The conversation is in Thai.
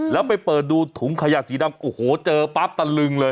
แล้วไปเปิดดูถุงขยะสีดำโอ้โหเจอปั๊บตะลึงเลย